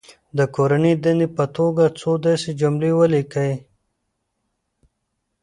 د کورنۍ دندې په توګه څو داسې جملې ولیکي.